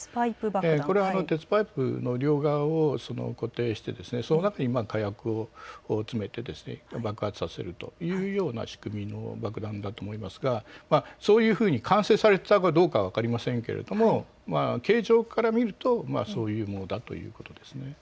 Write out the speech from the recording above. これは鉄パイプの両側を固定して火薬を詰めて爆発させるというような仕組みの爆弾だと思いますが、そういうふうに完成されていたかどうかは分かりませんけども形状から見ると、そういうものだということですね。